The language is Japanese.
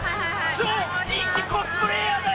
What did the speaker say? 超人気コスプレーヤーだよ！